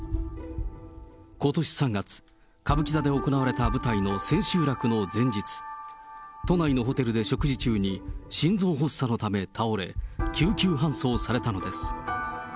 ことし３月、歌舞伎座で行われた舞台の千秋楽の前日、都内のホテルで食事中に心臓発作のため倒れ、救急搬送されたのです。